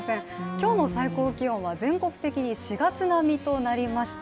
今日の最高気温は全国的に４月並みとなりました。